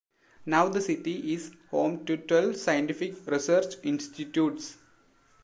Now the city is home to twelve scientific research institutes.